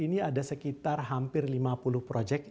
ini ada sekitar hampir lima puluh proyek